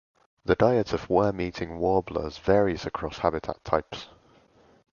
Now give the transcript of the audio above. The diet of worm-eating warblers varies across habitat types.